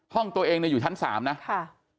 ห้องตัวเองเนี่ยอยู่ชั้น๓นะค่ะ